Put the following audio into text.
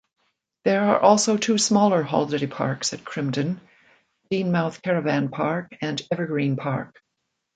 There are also two smaller holiday parks at Crimdon-Denemouth Caravan Park and Evergreen Park.